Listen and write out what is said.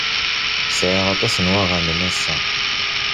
Sɛiɣ aṭas n waɣanen ass-a.